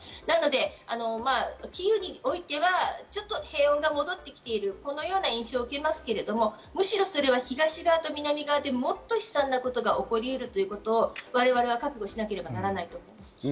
なのでキーウにおいては平穏が戻ってきているような印象を受けますけれども、むしろそれは東側と南側でもっと悲惨なことが起こりうるということを我々は覚悟しなければならないと思います。